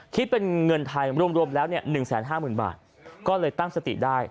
คิดเป็นเงินไทยรวมแล้ว๑๕๐๐๐บาทก็เลยตั้งสติได้